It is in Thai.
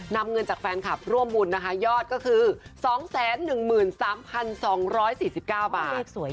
นำเงินจากแฟนครับร่วมวุญนะคะยอดก็คือ๒๑๓๒๔๙บาท